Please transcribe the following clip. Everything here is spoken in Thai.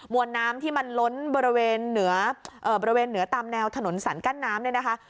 มวลน้ำที่มันล้นบริเวณเหนือตามแนวถนนสันกั้นน้ำเนี่ยนะคะ